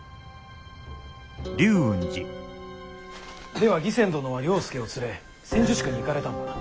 では義仙殿は了助を連れ千住宿に行かれたのだな？